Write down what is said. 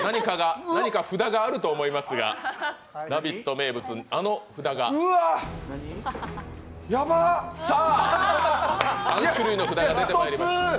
何か札があると思いますが、「ラヴィット！」名物のあの札がうわっ、ヤバ３種類の札が出てまいりました。